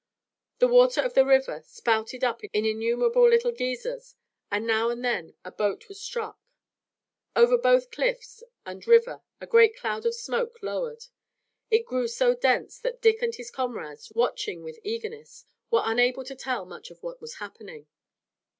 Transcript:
The water of the river spouted up in innumerable little geysers and now and then a boat was struck. Over both cliffs and river a great cloud of smoke lowered. It grew so dense that Dick and his comrades, watching with eagerness, were unable to tell much of what was happening.